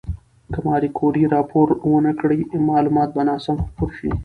که ماري کوري راپور ونکړي، معلومات به ناسم خپور شي.